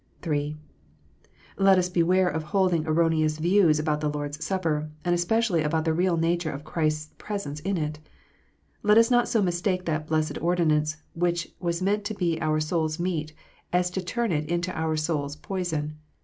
(3) Let us beware of holding erroneous views about the Lord s Supper, and especially about the real nature of Christ s " presence " in it. Let us not so mistake that blessed ordinance, which was meant to be our soul s meat, as to turn it into our soul s poison.